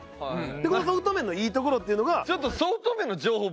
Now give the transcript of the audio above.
でこのソフト麺のいいところっていうのが。